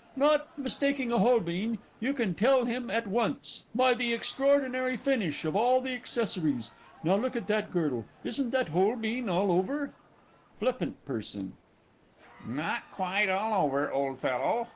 No mistaking a Holbein you can tell him at once by the extraordinary finish of all the accessories. Now look at that girdle isn't that Holbein all over? FLIPPANT P. Not quite all over, old fellow.